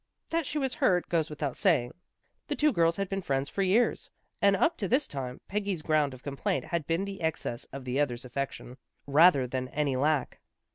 That she was hurt, goes without saying. The two girls had been friends for years, and, up to this tune, Peggy's ground of complaint had been the excess of the other's affection, rather than any lack.